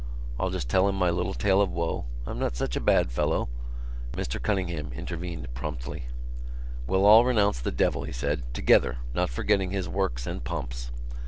I'll just tell him my little tale of woe. I'm not such a bad fellow——" Mr Cunningham intervened promptly. "We'll all renounce the devil," he said, "together, not forgetting his works and pomps."